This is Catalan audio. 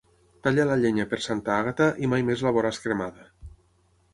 Talla la llenya per Santa Àgata, i mai més la veuràs cremada.